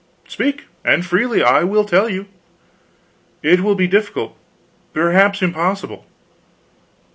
"Speak, and freely. I will tell you." "It will be difficult perhaps impossible."